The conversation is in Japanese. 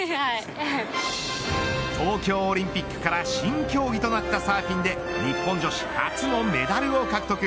東京オリンピックから新競技となったサーフィンで日本女子初のメダルを獲得。